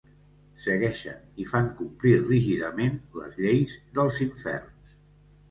Segueixen i fan complir rígidament les lleis dels Inferns.